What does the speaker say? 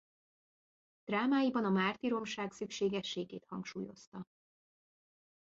Drámáiban a mártíromság szükségességét hangsúlyozta.